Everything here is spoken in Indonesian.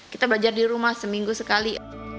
kita belajar di rumah seminggu sekali